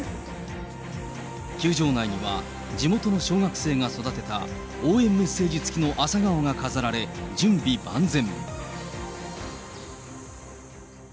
球場内には、地元の小学生が育てた応援メッセージ付きの朝顔が飾られ、準備万全。